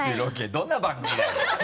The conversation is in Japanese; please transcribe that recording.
どんな番組だよ！